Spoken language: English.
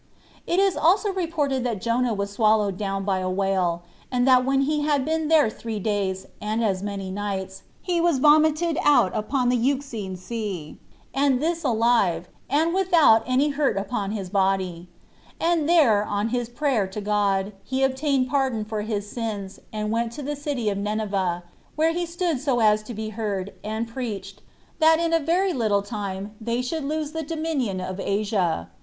It is also reported that Jonah was swallowed down by a whale, and that when he had been there three days, and as many nights, he was vomited out upon the Euxine Sea, and this alive, and without any hurt upon his body; and there, on his prayer to God, he obtained pardon for his sins, and went to the city Nineveh, where he stood so as to be heard, and preached, that in a very little time they should lose the dominion of Asia.